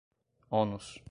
ônus